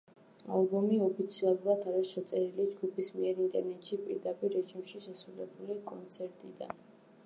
ალბომი ოფიციალურად არის ჩაწერილი ჯგუფის მიერ ინტერნეტში, პირდაპირ რეჟიმში შესრულებული კონცერტიდან.